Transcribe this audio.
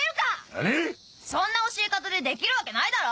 何⁉そんな教え方でできるわけないだろ！